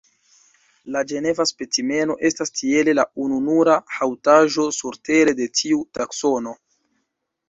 La ĝeneva specimeno estas tiele la ununura haŭtaĵo surtere de tiu taksono.